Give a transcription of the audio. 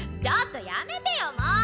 ちょっとやめてよも。